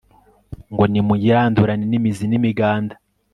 ngo nimuyirandurane n'imizi n'imiganda